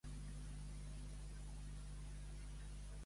A qui semblava que volia honorar l'escopeta?